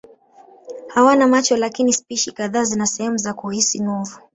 Hawana macho lakini spishi kadhaa zina sehemu za kuhisi nuru.